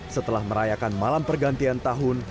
setelah merayakan malam pergantian tahun